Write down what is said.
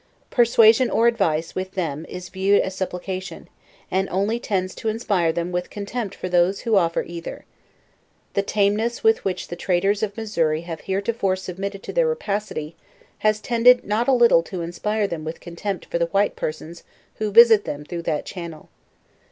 . Persua sion or advice, with them is viewed as supplication, and on ly tends to inspire them with contempt for those who offer either. The tamenass with which the traders of Missouri have heretofore submitted to their rapacity, has tended not a little to inspire them with contempt for the white persons who visit them through that channel.